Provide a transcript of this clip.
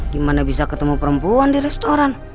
gimana bisa ketemu perempuan di restoran